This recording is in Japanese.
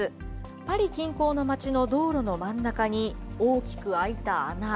パリ近郊の街の道路の真ん中に、大きく開いた穴。